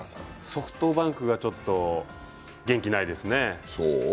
ソフトバンクがちょっと元気ないですね。